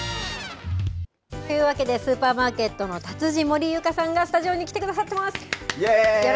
というわけで、スーパーマーケットの達人、森井ユカさんがスタジオに来てくださってます。